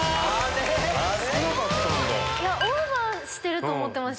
あれ⁉オーバーしてると思ってました。